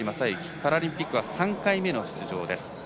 パラリンピックは３回目の出場です。